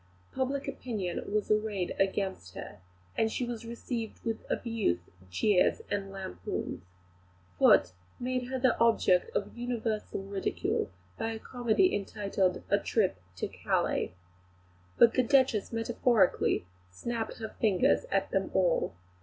Public opinion was arrayed against her; she was received with abuse, jeers, and lampoons. Foote made her the object of universal ridicule by a comedy entitled, "A Trip to Calais." But the Duchess metaphorically snapped her fingers at them all.